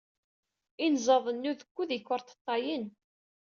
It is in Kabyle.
Inẓaden n udku d ikerṭeṭṭayen.